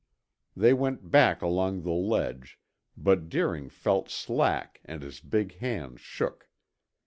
They went back along the ledge, but Deering felt slack and his big hands shook.